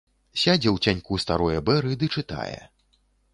Сядзе ў цяньку старое бэры ды чытае.